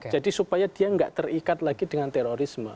jadi supaya dia tidak terikat lagi dengan terorisme